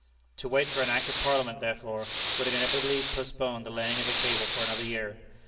To wait for an act of Parliament, therefore, would inevitably postpone the laying of the cable for another year.